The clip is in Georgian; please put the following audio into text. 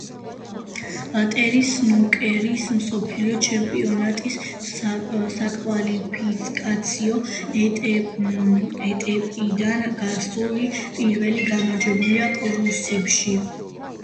ტერი სნუკერის მსოფლიო ჩემპიონატის საკვალიფიკაციო ეტაპიდან გასული პირველი გამარჯვებულია კრუსიბლში.